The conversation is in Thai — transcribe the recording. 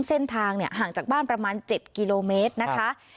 เส้นทางห่างจากบ้านประมาณ๗กิโลเมตรนะคะ